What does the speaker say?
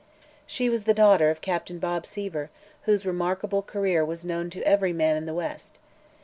She was the daughter of Captain Bob Seaver, whose remarkable career was known to every man in the West.